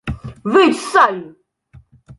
— Wyjdź z sali!